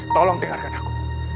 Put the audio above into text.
tolong dengarkan aku